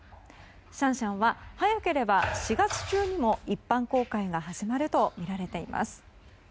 シャンシャンは早ければ４月中にも一般公開が始まるとみられています。